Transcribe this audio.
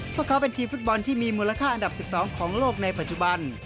พวกเขาเป็นทีมฟุตบอลที่มีมูลค่าอันดับ๑๒ของโลกในปัจจุบัน